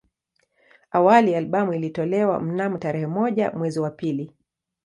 Awali albamu ilitolewa mnamo tarehe moja mwezi wa pili